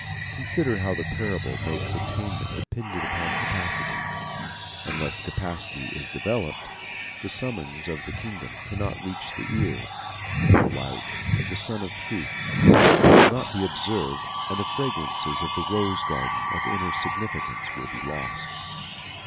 Consider how the parable makes attainment dependent upon capacity. Unless capacity is developed, the summons of the kingdom cannot reach the ear, the light of the Sun of Truth will not be observed and the fragrances of the rose garden of inner significance will be lost.